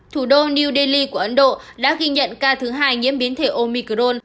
thủ đô new delhi của ấn độ đã ghi nhận ca thứ hai nhiễm biến thể omicron